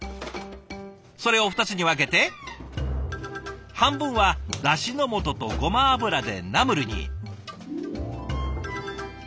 それを２つに分けて半分はだしのもととごま油でナムルに。